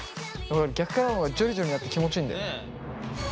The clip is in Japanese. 逆からの方がジョリジョリなって気持ちいいんだよ。